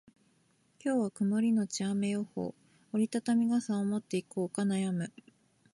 今日は曇りのち雨予報。折り畳み傘を持っていこうか悩む。